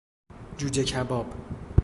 جوجه کباب